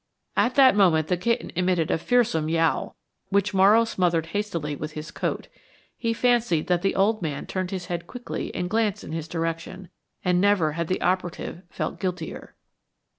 At that moment the kitten emitted a fearsome yowl, which Morrow smothered hastily with his coat. He fancied that the old man turned his head quickly and glanced in his direction, and never had the operative felt guiltier.